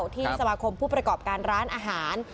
ที่สมาคมผู้ประกอบการร้านอาหาร